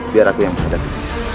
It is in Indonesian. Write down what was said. biar aku yang menghadapi